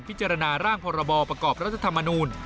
พิจารณาร่างพรบประกอบรัฐธรรมนูล